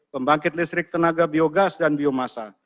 pembangkit listrik tenaga biogas dan biomasa